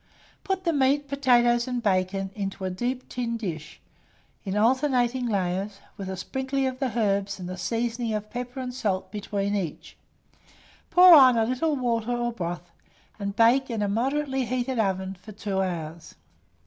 Put the meat, potatoes, and bacon into a deep tin dish, in alternate layers, with a sprinkling of the herbs, and a seasoning of pepper and salt between each; pour on a little water or broth, and bake in a moderately heated oven for 2 hours.